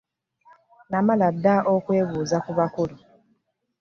Namala dda okwebuuza ku bakulu.